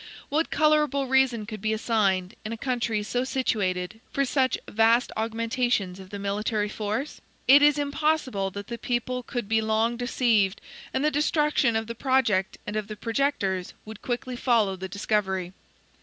What colorable reason could be assigned, in a country so situated, for such vast augmentations of the military force? It is impossible that the people could be long deceived; and the destruction of the project, and of the projectors, would quickly follow the discovery.